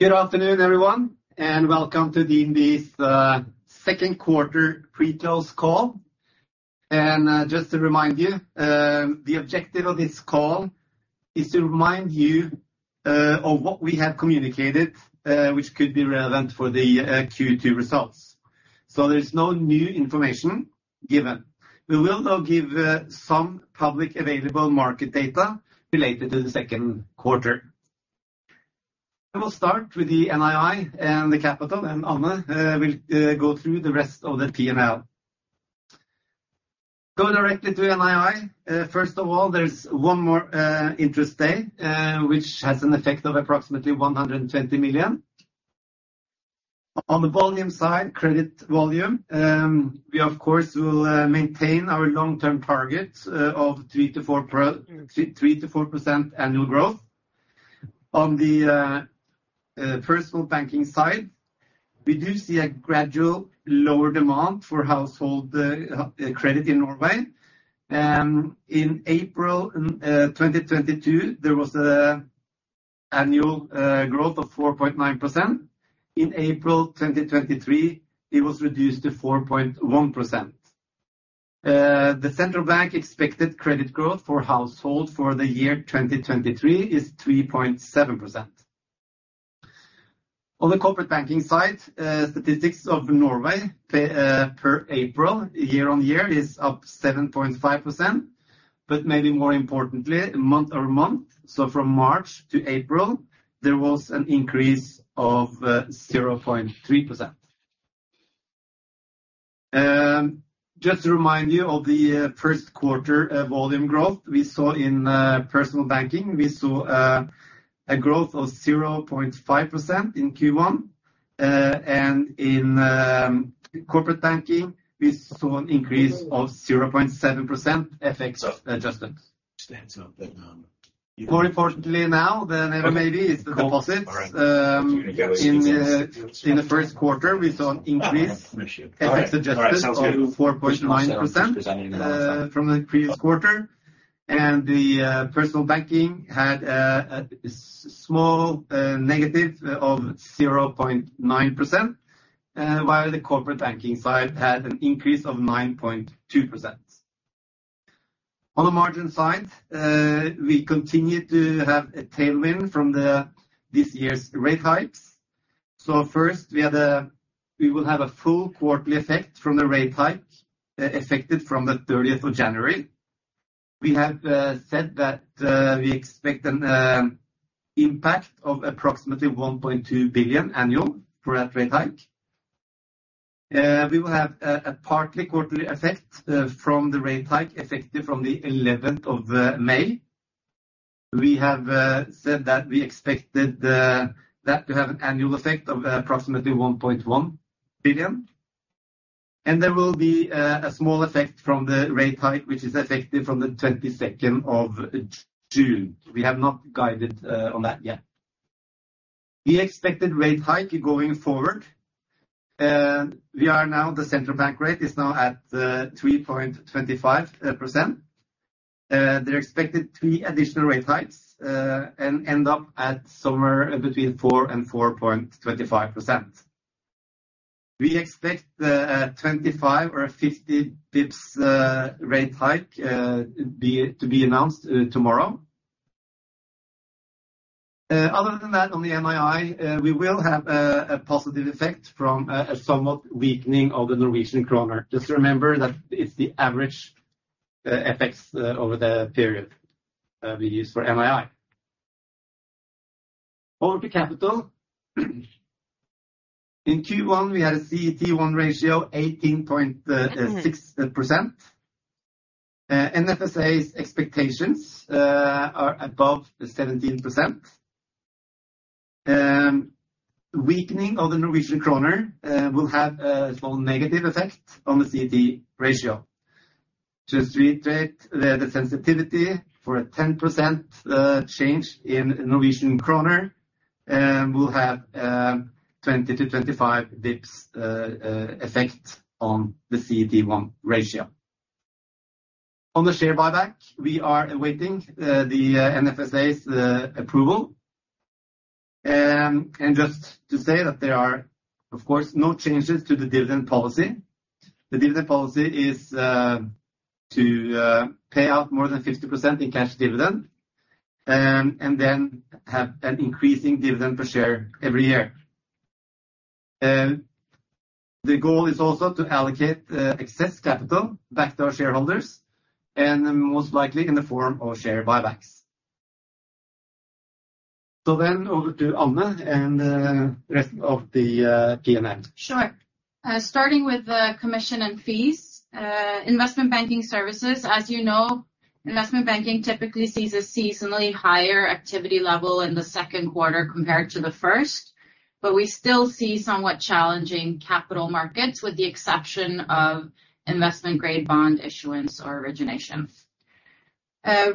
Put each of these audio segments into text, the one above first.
Good afternoon, everyone, and welcome to the DNB's Q2 Pre-Close Call. Just to remind you, the objective of this call is to remind you of what we have communicated, which could be relevant for the Q2 results. There's no new information given. We will, though, give some public available market data related to Q2. I will start with the NII and the capital, and Anne will go through the rest of the P&L. Go directly to NII. First of all, there's one more interest day, which has an effect of approximately 120 million. On the volume side, credit volume, we, of course, will maintain our long-term target of 3%-4% annual growth. On the personal banking side, we do see a gradual lower demand for household credit in Norway. In April 2022, there was an annual growth of 4.9%. In April 2023, it was reduced to 4.1%. The central bank expected credit growth for household for the year 2023 is 3.7%. On the corporate banking side, Statistics Norway per April, year-on-year, is up 7.5%, maybe more importantly, month-over-month, so from March to April, there was an increase of 0.3%. Just to remind you of Q1 volume growth we saw in personal banking. We saw a growth of 0.5% in Q1, and in corporate banking, we saw an increase of 0.7% FX adjustments. More importantly, now, then maybe it's the deposits, in Q1, we saw an increase, FX adjustments of 4.9% from the previous quarter, the personal banking had a small negative of 0.9%, while the corporate banking side had an increase of 9.2%. On the margin side, we continue to have a tailwind from this year's rate hikes. First, we will have a full quarterly effect from the rate hike, effective from the 30 January. We have said that we expect an impact of approximately 1.2 billion annual for that rate hike. We will have a partly quarterly effect from the rate hike, effective from the 11 May. We have said that we expected that to have an annual effect of approximately 1.1 billion. There will be a small effect from the rate hike, which is effective from the 22 June. We have not guided on that yet. The expected rate hike going forward, the central bank rate is now at 3.25%. They're expected three additional rate hikes and end up at somewhere between 4% and 4.25%. We expect a 25 or 50 bps rate hike to be announced tomorrow. Other than that, on the NII, we will have a positive effect from a somewhat weakening of the Norwegian kroner. Just remember that it's the average effects over the period we use for NII. Over to capital. In Q1, we had a CET1 ratio, 18.6%. NFSA's expectations are above the 17%. Weakening of the Norwegian kroner will have a small negative effect on the CET ratio. Just to reiterate, the sensitivity for a 10% change in Norwegian kroner will have 20-25 bps effect on the CET1 ratio. On the share buyback, we are awaiting the NFSA's approval. Just to say that there are, of course, no changes to the dividend policy. The dividend policy is to pay out more than 50% in cash dividend, and then have an increasing dividend per share every year. The goal is also to allocate excess capital back to our shareholders, and most likely in the form of share buybacks. Over to Anne and the rest of the P&L. Sure. Starting with the commission and fees, investment banking services. As you know, investment banking typically sees a seasonally higher activity level in Q2 compared to the first, but we still see somewhat challenging capital markets, with the exception of investment-grade bond issuance or origination.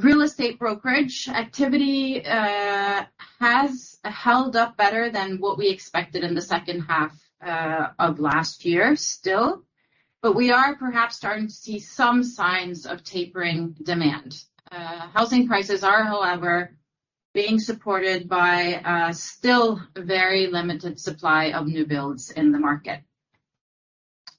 Real estate brokerage activity has held up better than what we expected in the second half of last year, still, but we are perhaps starting to see some signs of tapering demand. Housing prices are, however, being supported by a still very limited supply of new builds in the market.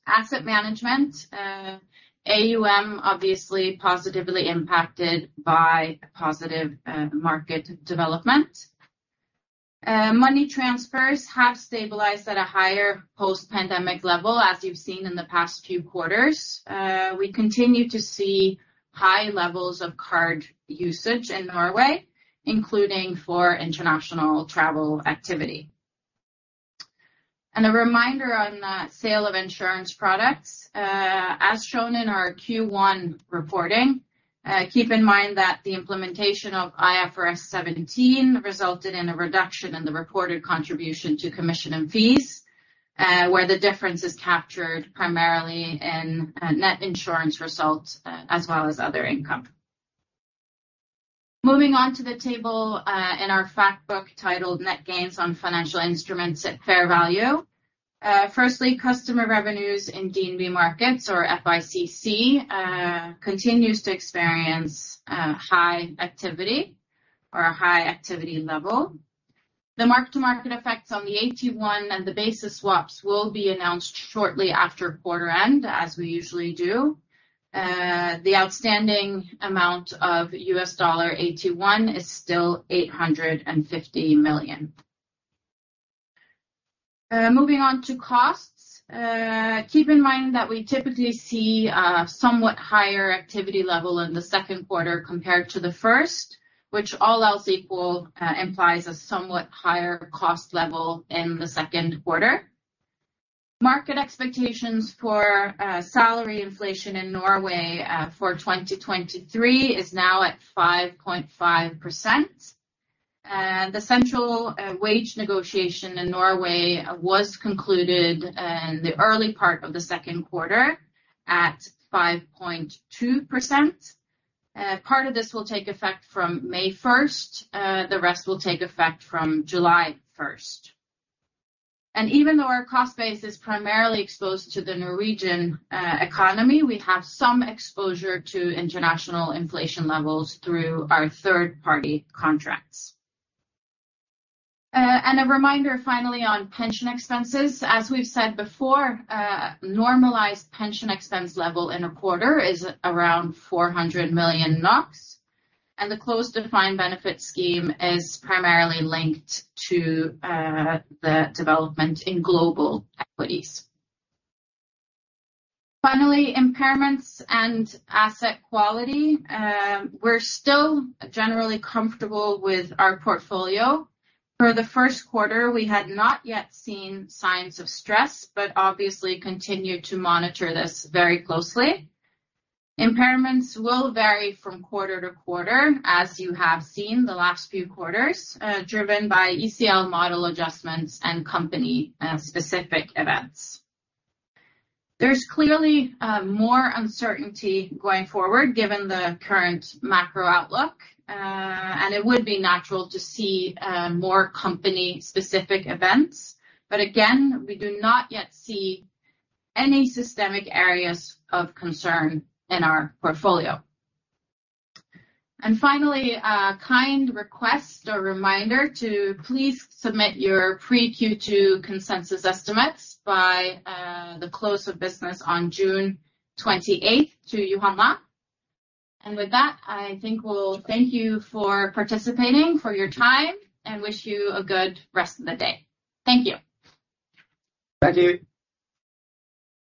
Asset management, AUM obviously positively impacted by a positive market development. Money transfers have stabilized at a higher post-pandemic level, as you've seen in the past few quarters. We continue to see high levels of card usage in Norway, including for international travel activity. A reminder on the sale of insurance products, as shown in our Q1 reporting, keep in mind that the implementation of IFRS 17 resulted in a reduction in the reported contribution to commission and fees, where the difference is captured primarily in net insurance results, as well as other income. Moving on to the table, in our fact book titled Net Gains on Financial Instruments at Fair Value. Firstly, customer revenues in DNB Markets or FICC, continues to experience high activity or a high activity level. The mark-to-market effects on the AT1 and the basis swaps will be announced shortly after quarter end, as we usually do. The outstanding amount of U.S. dollar AT1 is still $850 million. Moving on to costs. Keep in mind that we typically see a somewhat higher activity level in the Q2 compared to Q1, which all else equal, implies a somewhat higher cost level in Q2. Market expectations for salary inflation in Norway for 2023 is now at 5.5%. The central wage negotiation in Norway was concluded in the early part of the Q2 at 5.2%. Part of this will take effect from May 1, the rest will take effect from July 1. Even though our cost base is primarily exposed to the Norwegian economy, we have some exposure to international inflation levels through our third-party contracts. A reminder, finally, on pension expenses. As we've said before, normalized pension expense level in a quarter is around 400 million NOK, and the closed defined benefit scheme is primarily linked to the development in global equities. Finally, impairments and asset quality. We're still generally comfortable with our portfolio. For Q1, we had not yet seen signs of stress, but obviously continued to monitor this very closely. Impairments will vary from quarter to quarter, as you have seen the last few quarters, driven by ECL model adjustments and company specific events. There's clearly more uncertainty going forward, given the current macro outlook, and it would be natural to see more company specific events. Again, we do not yet see any systemic areas of concern in our portfolio. Finally, a kind request or reminder to please submit your pre-Q2 consensus estimates by the close of business on June 28 to Johanna. With that, I think we'll thank you for participating, for your time, and wish you a good rest of the day. Thank you. Thank you.